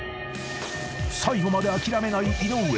［最後まで諦めない井上。